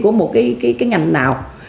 của một cái ngành nào